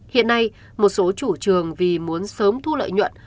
hiện nay một số chủ trường vì muốn sớm thu lợi nhuận